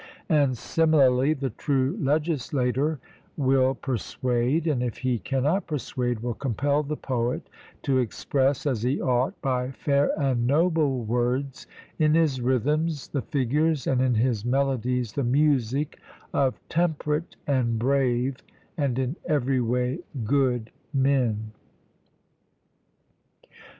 And similarly the true legislator will persuade, and, if he cannot persuade, will compel the poet to express, as he ought, by fair and noble words, in his rhythms, the figures, and in his melodies, the music of temperate and brave and in every way good men.